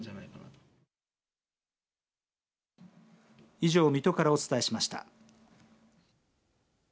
以上、水戸からお伝えしました。